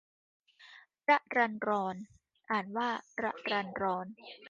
รรรรร อ่านว่า ระรันรอน